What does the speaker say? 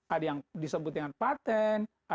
ada yang disebut dengan patent ada yang disebut dengan